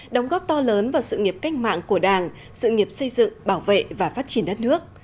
đóng góp to lớn vào sự nghiệp cách mạng của đảng sự nghiệp xây dựng bảo vệ và phát triển đất nước